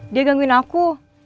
dia gangguin aku